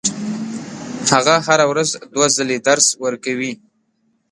هغه هره ورځ دوه ځلې درس ورکوي.